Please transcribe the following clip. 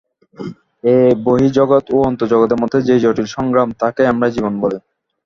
এই বহির্জগৎ ও অন্তর্জগতের মধ্যে যে জটিল সংগ্রাম, তাহাকেই আমরা জীবন বলি।